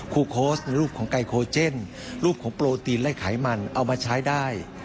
โค้ชรูปของไกโคเจนรูปของโปรตีนและไขมันเอามาใช้ได้